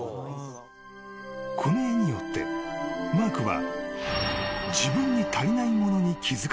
［この絵によってマークは］